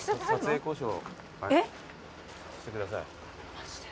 マジで？